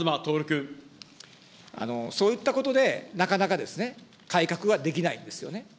そういったことで、なかなかですね、改革はできないんですよね。